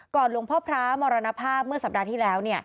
หลวงพ่อพระมรณภาพเมื่อสัปดาห์ที่แล้ว